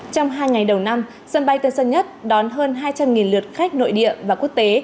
trong hai ngày đầu năm sân bay tân sơn nhất đón hơn hai trăm linh lượt khách nội địa và quốc tế